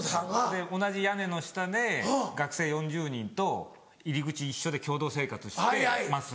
同じ屋根の下で学生４０人と入り口一緒で共同生活してます。